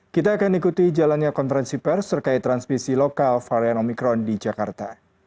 kita akan ikuti jalannya konferensi pers terkait transmisi lokal varian omicron di jakarta